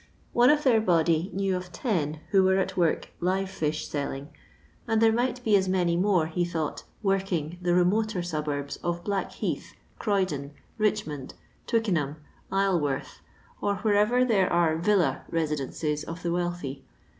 One of Uieir body knew of ten who were at work live fish selling, and there might be as many more, he though^ "working" the remoter suburbs of Blackheath, Croydon, Richmond, Twickenham, Isleworth, or wherever there are villa re sidences of the wealthy.